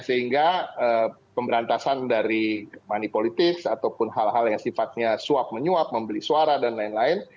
sehingga pemberantasan dari money politics ataupun hal hal yang sifatnya suap menyuap membeli suara dan lain lain